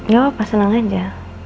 ya apa senang aja